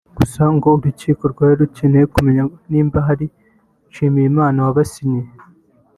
Gusa ngo urukiko rwari rukeneye kumenya niba ari Nshimiyimana wabasinyiye